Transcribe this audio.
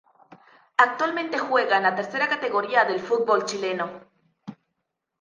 Actualmente juega en la tercera categoría del fútbol chileno.